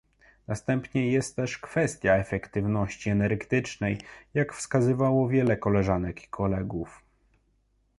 Następnie jest też kwestia efektywności energetycznej, jak wskazało wiele koleżanek i kolegów